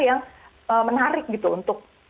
yang menarik gitu untuk